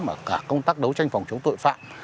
mà cả công tác đấu tranh phòng chống tội phạm